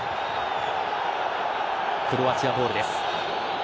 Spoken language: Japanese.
クロアチアボールです。